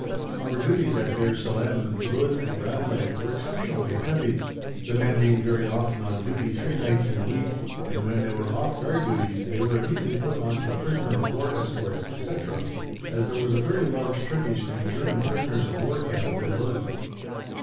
Our duties at Bir Salem, Ludd, and Ramleh were exceptionally heavy, the men being very often on duty three nights in a week, and when they were off guard duties they were immediately put on to prisoner of war escorts, etc., as there was a very large Turkish and German Prisoners of War Camp at Ludd.